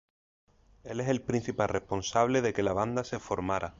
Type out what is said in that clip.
Él es el principal responsable de que la banda se formara.